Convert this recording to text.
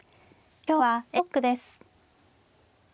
今日はＡブロックです。